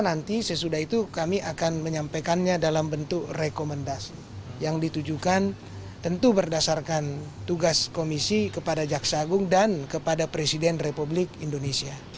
nanti sesudah itu kami akan menyampaikannya dalam bentuk rekomendasi yang ditujukan tentu berdasarkan tugas komisi kepada jaksa agung dan kepada presiden republik indonesia